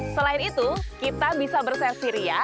selain itu kita bisa bersesiri ya